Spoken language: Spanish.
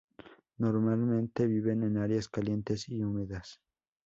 Normalmente viven en áreas calientes y húmedas.